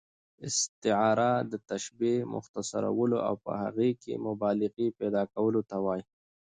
استعاره د تشبیه، مختصرولو او په هغې کښي مبالغې پیدا کولو ته وايي.